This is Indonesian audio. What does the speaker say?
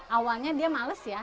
awalnya dia males ya